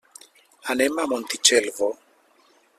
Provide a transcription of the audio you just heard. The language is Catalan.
Anem a Montitxelvo.